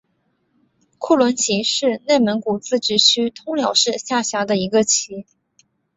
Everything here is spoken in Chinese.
库伦旗是内蒙古自治区通辽市下辖的一个旗。